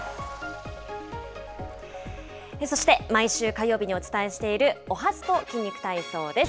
そして、毎週火曜日にお伝えしているおはＳＰＯ筋肉体操です。